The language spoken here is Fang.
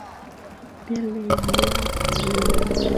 B îa lè minlañ.